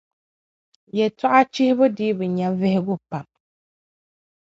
Yɛltͻɣa chihibu dii bi nya vihigu pam.